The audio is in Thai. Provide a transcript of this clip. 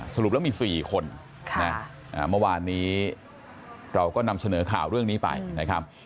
สรุปแล้วมี๔คนเมื่อวานนี้เราก็นำเสนอข่าวเรื่องนี้ไปนะครับ